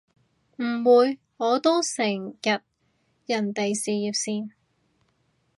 唔會，我都成日人哋事業線